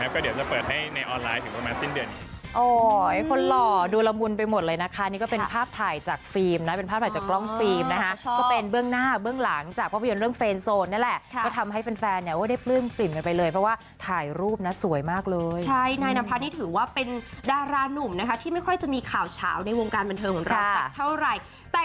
ก็เดี๋ยวจะเปิดให้ในออนไลน์ถึงประมาณสิ้นเดือน